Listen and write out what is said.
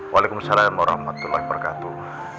waalaikumsalam warahmatullahi wabarakatuh